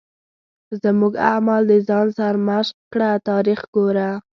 زموږ اعمال د ځان سرمشق کړه تاریخ ګوره.